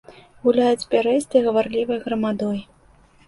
Гуляюць пярэстай, гаварлівай грамадой.